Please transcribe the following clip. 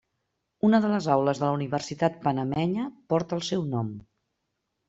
Una de les aules de la universitat panamenya porta el seu nom.